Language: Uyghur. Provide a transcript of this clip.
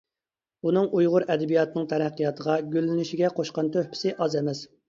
ئۇنىڭ ئۇيغۇر ئەدەبىياتىنىڭ تەرەققىياتىغا، گۈللىنىشىگە قوشقان تۆھپىسى ئاز ئەمەس.